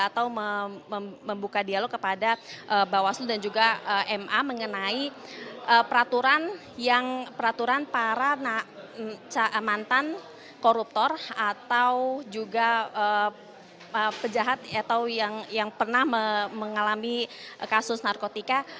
atau membuka dialog kepada bawaslu dan juga ma mengenai peraturan para mantan koruptor atau juga penjahat atau yang pernah mengalami kasus narkotika